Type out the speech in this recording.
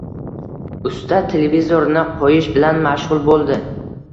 Usta televizorni qo‘yish bilan mashg‘ul bo‘ldi.